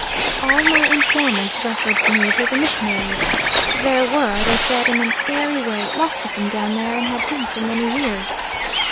All my informants referred me to the missionaries. "There were," they said, in an airy way, "lots of them down there, and had been for many years."